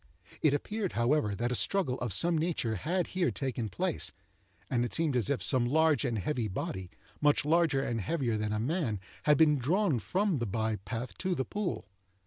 It appeared, however, that a struggle of some nature had here taken place, and it seemed as if some large and heavy body, much larger and heavier than a man, had been drawn from the by path to the pool.